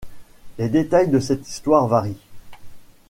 Les détails de cette histoire varient.